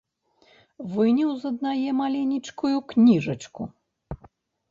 Выняў з аднае маленечкую кніжачку.